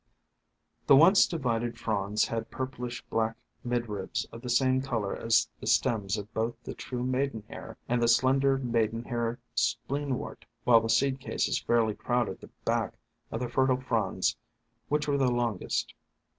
The once divided fronds had purplish black mid ribs of the same color as the stems of both the true Maidenhair and the slender Maidenhair Spleen wort, while the seed cases fairly crowded the back of the fertile fronds which were the longest.